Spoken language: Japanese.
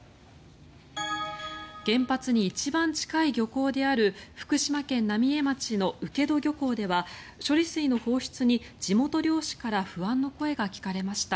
原発に一番近い漁港である福島県浪江町の請戸漁港では処理水の放出に地元漁師から不安の声が聞かれました。